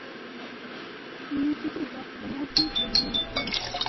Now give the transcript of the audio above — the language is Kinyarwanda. N’i Ncikiriza-banyazi ya Rwibicuba